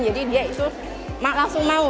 jadi dia itu mak langsung mau